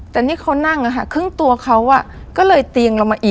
แต่นี่เขานั่งครึ่งตัวเขาก็เลยเตียงเรามาอีก